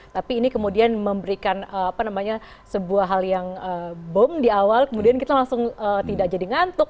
tapi ini kemudian memberikan sebuah hal yang bom di awal kemudian kita langsung tidak jadi ngantuk